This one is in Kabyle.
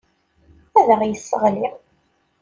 Ad aɣ-yesseɣli.